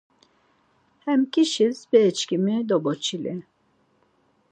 He ǩişis bereçkimi doboçili.